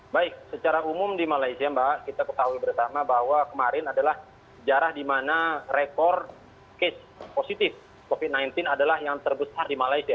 baik secara umum di malaysia mbak kita ketahui bersama bahwa kemarin adalah sejarah di mana rekor case positif covid sembilan belas adalah yang terbesar di malaysia